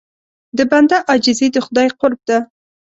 د بنده عاجزي د خدای قرب ده.